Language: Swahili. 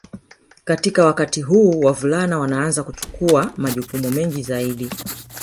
Katika wakati huu wavulana wanaanza kuchukua majukumu mengi zaidi